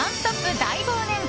大忘年会！